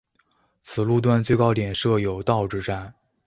此路段最高点设有道之站。